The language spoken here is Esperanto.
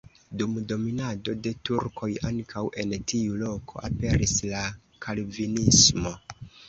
Dum dominado de turkoj ankaŭ en tiu loko aperis la kalvinismo.